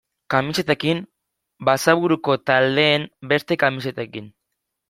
Kamisetekin, Basaburuko taldeen beste kamisetekin...